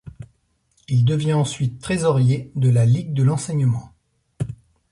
Il devient ensuite trésorier de la Ligue de l'enseignement.